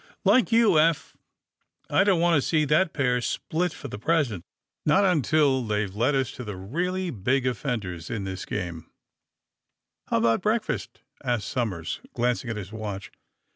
Like you, Eph, I don^t want to see that pair split for the present — ^not until they Ve led us to the really big of fenders in this game/' '^How about breakfast!'' asked Somers, glancing at his watch.